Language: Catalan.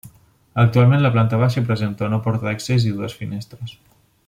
Actualment la planta baixa presenta una porta d'accés i dues finestres.